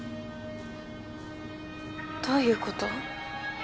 どういうこと？